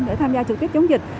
để tham gia trực tiếp chống dịch